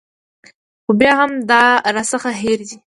خو بیا هم دا راڅخه هېر دي.